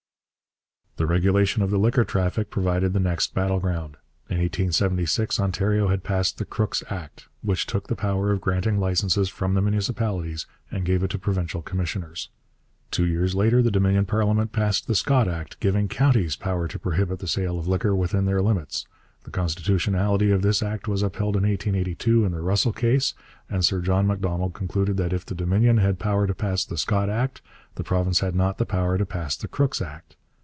The regulation of the liquor traffic provided the next battle ground. In 1876 Ontario had passed the Crooks Act, which took the power of granting licences from the municipalities and gave it to provincial commissioners. Two years later the Dominion parliament passed the Scott Act, giving counties power to prohibit the sale of liquor within their limits. The constitutionality of this act was upheld in 1882 in the Russell case, and Sir John Macdonald concluded that if the Dominion had power to pass the Scott Act, the province had not the power to pass the Crooks Act.